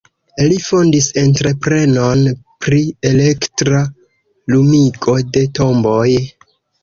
Li fondis entreprenon pri elektra lumigo de tomboj.